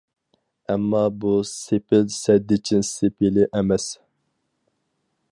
ئەمما ئۇ سېپىل سەددىچىن سېپىلى ئەمەس.